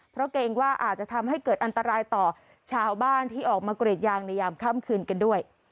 เพราะเกรงว่าอาจจะทำให้เกิดอันตรายต่อชาวบ้านที่ออกมากรีดยางในยามค่ำคืนกันด้วย